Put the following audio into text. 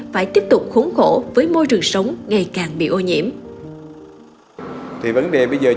phải tiếp tục khốn khổ với môi trường sống ngày càng bị ô nhiễm